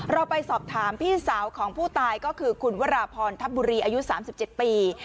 เราไปสอบถามพี่สาวของผู้ตายก็คือคุณวราพรทัพบุรีอายุ๓๗ปี